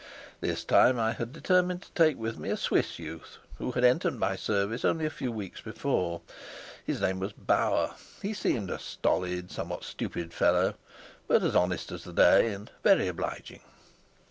This time I had determined to take with me a Swiss youth who had entered my service only a few weeks before. His name was Bauer; he seemed a stolid, somewhat stupid fellow, but as honest as the day and very obliging.